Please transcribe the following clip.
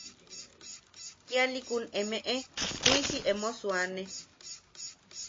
–Kialiʼikun emeʼe tuʼisi emo suane.